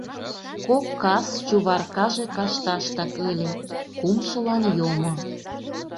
Кок кас Чуваркаже кашташтак ыле, кумшылан йомо.